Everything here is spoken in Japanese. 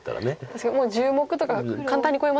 確かにもう１０目とか簡単に超えますもんね。